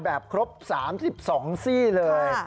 แบบครบ๓๒ซี่เลย